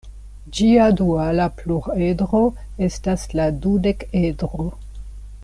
Ĝia duala pluredro estas la dudekedro.